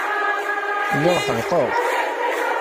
Lliɣ ḥedqeɣ.